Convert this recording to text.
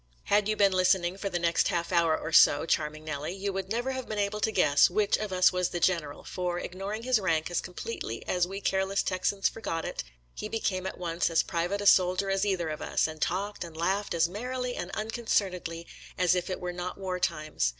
Had you been listening for the next half hour or so. Charming Nellie, you would never have been able to guess which of us was the General, for, ignoring his rank as completely as we care less Texans forgot it, he became at once as pri vate a soldier as either of us, and talked and laughed as merrily and unconcernedly as if it were not war times.